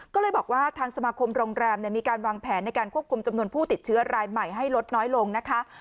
ก็เลยบอกว่าทางสมาคมโรงแรมมีการวางแผนในการควบคุมจำนวนผู้ติดเชื้อรายใหม่ให้ลดน้อยลงนะคะ